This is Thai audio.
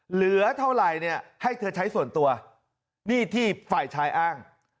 เหลือเท่าไหร่เนี่ยให้เธอใช้ส่วนตัวนี่ที่ฝ่ายชายอ้าง